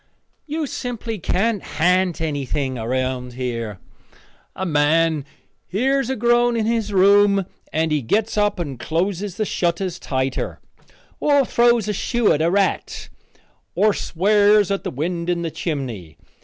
You simply can't ha'nt anything around here. A man hears a groan in his room and he gets up and closes the shutters tighter, or throws a shoe at a rat, or swears at the wind in the chimney.